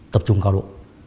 tập trung cao độ